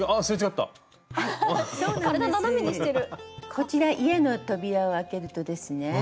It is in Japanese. こちら家の扉を開けるとですね